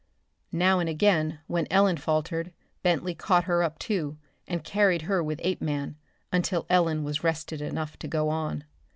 Now and again when Ellen faltered Bentley caught her up, too, and carried her with Apeman until Ellen was rested enough to go on.